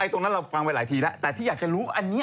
ตรงนั้นเราฟังไปหลายทีแล้วแต่ที่อยากจะรู้อันนี้